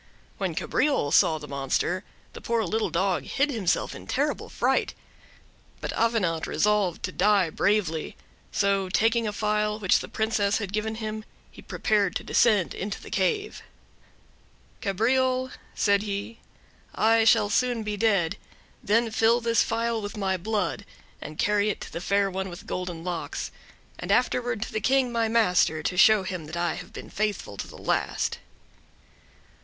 When Cabriole saw the monster, the poor little dog hid himself in terrible fright. But Avenant resolved to die bravely; so taking a phial which the Princess had given him, he prepared to descend into the cave. "Cabriole," said he, "I shall soon be dead; then fill this phial with my blood, and carry it to the Fair One with Golden Locks, and afterward to the King, my master, to show him I have been faithful to the last."